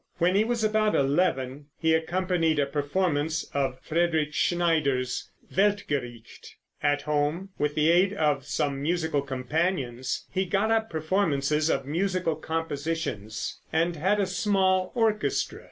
When he was about eleven he accompanied a performance of Frederick Schneider's "Weltgericht." At home, with the aid of some musical companions he got up performances of musical compositions, and had a small orchestra.